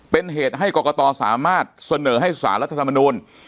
เป็นเหตุให้กรกตสามารถเสนอให้สารรัฐธรรมนูล